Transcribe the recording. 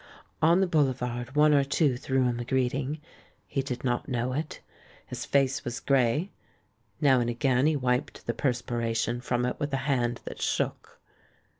On the boulevard one or two threw him a gi eeting. He did not know it. His face was grey ; now and again he wiped the perspiration from it with a hand that shook.